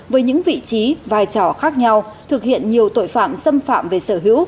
với những vị trí vai trò khác nhau thực hiện nhiều tội phạm xâm phạm về sở hữu